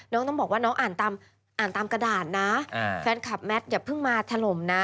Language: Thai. น้องต้องบอกว่าน้องอ่านตามกระด่านะแฟนคลับแมทอย่าเพิ่งมาถล่มนะ